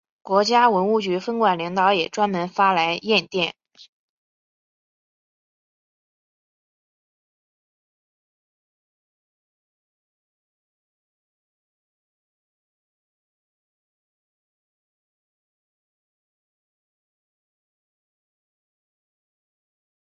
在欧洲有多条琥珀之路。